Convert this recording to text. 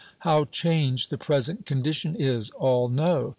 How changed the present condition is, all know.